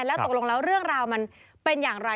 แล้วตกลงแล้วเรื่องราวมันเป็นอย่างไร